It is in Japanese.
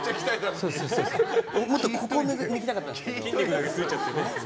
もっとここ見せたかったんですけど。